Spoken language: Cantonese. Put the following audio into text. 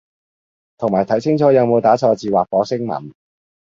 同埋睇清楚有冇打錯字或火星文